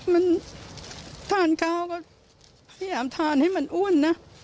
มันทานข้าวก็พยายามทานให้มันอ้วนนะ